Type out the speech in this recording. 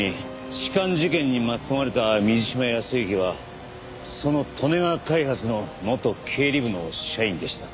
痴漢事件に巻き込まれた水島泰之はその利根川開発の元経理部の社員でした。